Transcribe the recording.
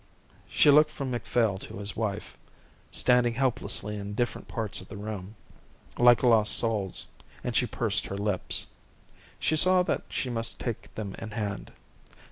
She looked from Macphail to his wife, standing helplessly in different parts of the room, like lost souls, and she pursed her lips. She saw that she must take them in hand.